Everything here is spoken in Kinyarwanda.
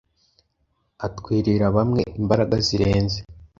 atwerera bamwe imbaraga zirenze